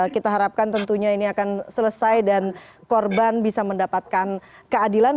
kita harapkan tentunya ini akan selesai dan korban bisa mendapatkan keadilan